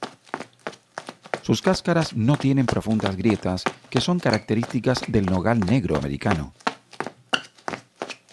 Sus cáscaras no tienen profundas grietas que son características del nogal negro americano.